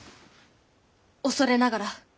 恐れながら